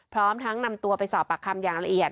พร้อมทั้งนำตัวไปสอบปากคำอย่างละเอียด